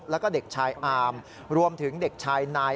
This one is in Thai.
แล้วก็เด็กชายอามรวมถึงเด็กชายนาย